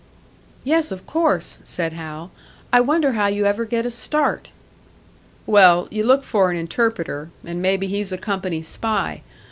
"Yes, of course," said Hal. "I wonder how you ever get a start." "Well, you look for an interpreter and maybe he's a company spy.